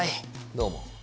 どうも。